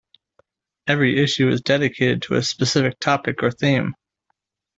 Every issue is dedicated to a specific topic or theme.